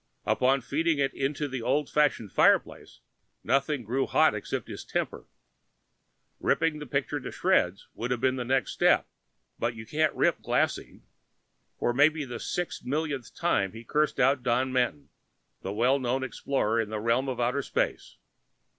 Upon feeding it to the old fashioned fireplace nothing grew hot except his temper. Ripping the picture to shreds would have been the next step, but you can't rip glaseine. For maybe the six millionth time he cursed out Don Manton, the well known explorer in the realm of outer space.